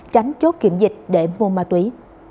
tránh chốt kiểm dịch để mua ma túy